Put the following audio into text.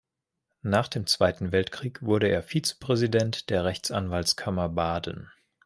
Nach dem Zweiten Weltkrieg wurde er Vizepräsident der Rechtsanwaltskammer Baden.